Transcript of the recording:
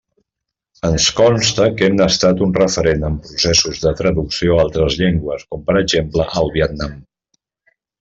Ens consta que hem estat un referent en processos de traducció a altres llengües, com per exemple al Vietnam.